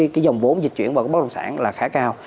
cái dòng vốn dịch chuyển vào bất động sản là khá cao